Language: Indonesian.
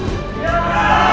jangan sampai lolos